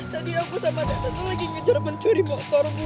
tadi aku sama dada tuh lagi ngejar pencuri motor bu